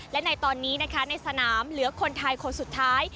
และในตอนนี้นะคะในสนามเหลือคนไทยคนสุดท้าย